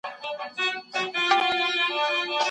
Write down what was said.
ډېر چاڼ د لوړ ږغ سره دلته راوړل کیږي.